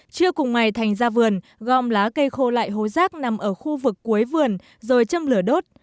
trưa cùng ngày thành ra vườn gom lá cây khô lại hố rác nằm ở khu vực cuối vườn rồi châm lửa đốt